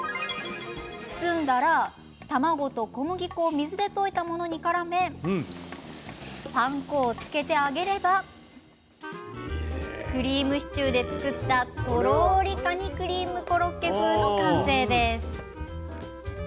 包んだら、卵と小麦粉を水で溶いたものにからめパン粉をつけて揚げればクリームシチューで作ったとろりカニクリームコロッケ風の完成です。